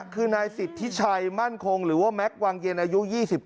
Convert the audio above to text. คือนายสิทธิชัยมั่นคงหรือว่าแม็กซ์วังเย็นอายุ๒๙